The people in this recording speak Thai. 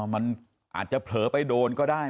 มันอาจจะเผลอไปโดนก็ได้